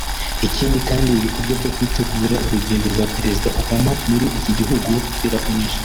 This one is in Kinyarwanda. Ikindi kandi ibikorwa byo kwitegura urugendo rwa Perezida Obama muri iki gihugu birakomeje